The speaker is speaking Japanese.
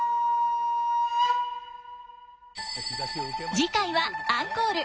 次回はアンコール。